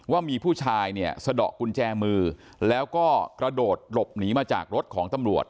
ว่ามีผู้ชายเนี่ยสะดอกกุญแจมือแล้วก็กระโดดหลบหนีมาจากรถของตำรวจ